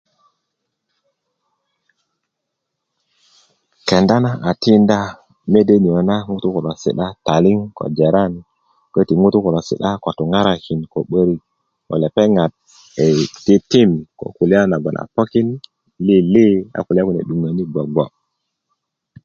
kenda na a tinda mede nio na ŋtuu kulo si'da taliŋ ko jiran ŋutu koti ŋutu kulo si'da ko tuŋarakin ko 'börik lepeŋat titim ko kulya nagon a pokin lili a kulya kune 'duŋöni bgwobgwo